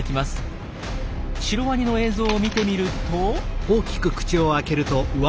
シロワニの映像を見てみると。